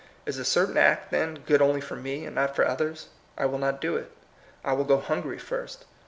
Is a certain act, then, good only for me, and not for others ? I will not do it. I will go hungry first.